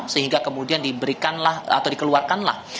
sehingga kemudian diberikanlah atau dikeluarkanlah